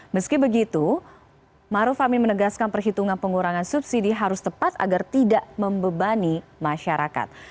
meski begitu maruf amin menegaskan perhitungan pengurangan subsidi harus tepat agar tidak membebani masyarakat